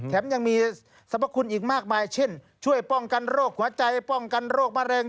ยังมีสรรพคุณอีกมากมายเช่นช่วยป้องกันโรคหัวใจป้องกันโรคมะเร็ง